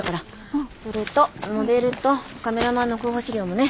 それとモデルとカメラマンの候補資料もね。